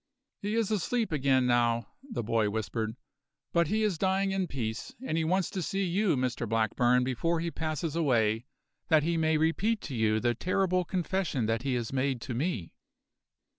"He is asleep again now," the boy whispered; "but he is dying in peace; and he wants to see you, Mr Blackburn, before he passes away, that he may repeat to you the terrible confession that he has made to me."